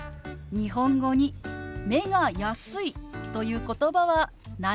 日本語に「目が安い」という言葉はないわよね。